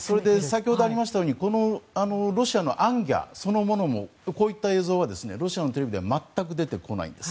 先ほどありましたようにロシアの行脚そのものもこういった映像はロシアのテレビでは全く出てこないんです。